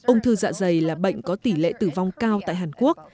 ung thư dạ dày là bệnh có tỷ lệ tử vong cao tại hàn quốc